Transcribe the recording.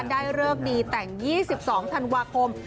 ได้เลิกดีแต่ง๒๒ธันวาคม